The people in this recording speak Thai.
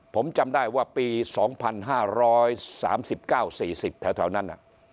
ผมจำได้ว่าปี๒๕๓๙๔๐แถวนั้น